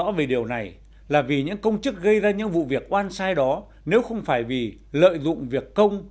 rõ về điều này là vì những công chức gây ra những vụ việc oan sai đó nếu không phải vì lợi dụng việc công